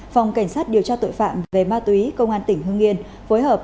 phòng cảnh sát điều tra tội phạm về ma túy công an tỉnh hương yên phối hợp